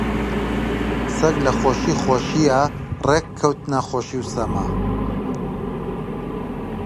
سەگ لە خۆشی خۆشییا ڕێک کەوتنە خۆشی و سەما